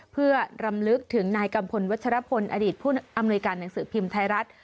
เพื่อรำลึกถึงนายกัมพลวัชรพลอดีตผู้อำนวยการหนังสือพิมพ์ไทยรัฐ